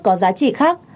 có giá trị khác